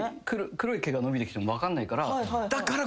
黒い毛が伸びてきても分かんないから。